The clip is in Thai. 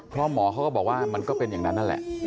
เพราะหมอเขาก็บอกว่ามันก็เป็นอย่างนั้นนั่นแหละ